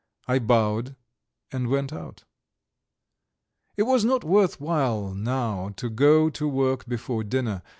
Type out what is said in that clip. I bowed and went out. It was not worth while now to go to work before dinner.